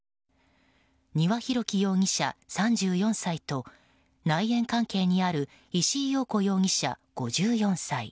丹羽洋樹容疑者、３４歳と内縁関係にある石井陽子容疑者、５４歳。